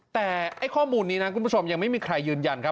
แต่ข้อมูลนี้นะคุณผู้ชมยังไม่มีใครยืนยันครับ